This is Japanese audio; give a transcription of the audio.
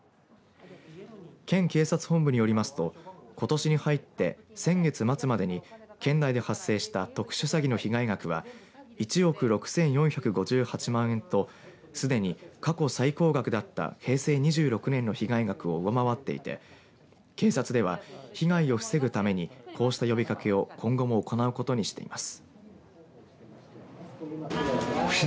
県警察本部によりますとことしに入って先月末までに県内で発生した特殊詐欺の被害額は１億６４５８万円とすでに過去最高額だった平成２６年の被害額を上回っていて警察では被害を防ぐためにこうした呼びかけを今後も行うことにしています。